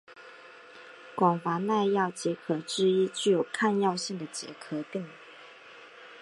广泛耐药结核之一具有抗药性的结核病。